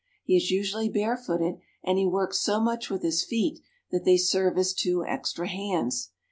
He is usually barefooted, and he works so much with his feet that they serve as two extra hands.